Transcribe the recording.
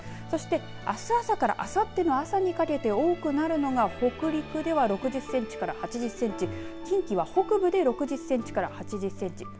そして、あす朝からあさっての朝にかけて多くなるのが北陸では６０センチから８０センチ近畿は北部で６０センチから８０センチ。